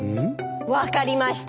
分かりました。